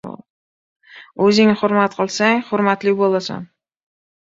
• O‘zingni hurmat qilsang, hurmatli bo‘lasan.